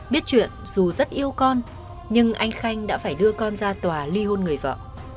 biết chuyện dù rất yêu con nhưng anh khanh đã phải đưa con ra tòa ly hôn người vợ